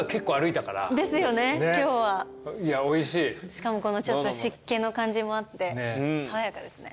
しかもこのちょっと湿気の感じもあって爽やかですね。